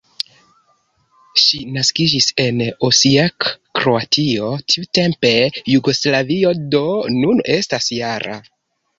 Ŝi naskiĝis en Osijek, Kroatio, tiutempe Jugoslavio, do nun estas -jara.